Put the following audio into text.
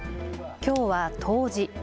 きょうは冬至。